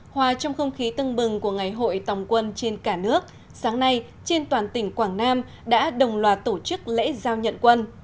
hòa trong không khí tưng bừng của ngày hội tòng quân trên cả nước sáng nay trên toàn tỉnh quảng nam đã đồng loạt tổ chức lễ giao nhận quân